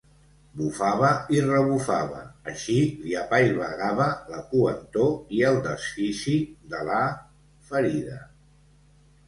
Bufava i rebufava, així li apaivagava la coentor i el desfici de la... ferida.